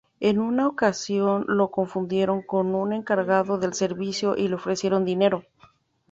En una ocasión lo confundieron con un encargado del servicio y le ofrecieron dinero.